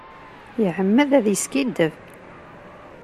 Iεemmed ad d-yeskiddeb.